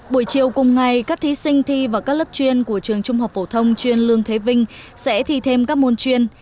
buổi chiều cùng ngày các thí sinh thi vào các lớp chuyên của trường trung học phổ thông chuyên lương thế vinh sẽ thi thêm các môn chuyên